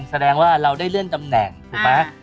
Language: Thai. แสดงว่าเราได้เลื่อนตำแหน่ง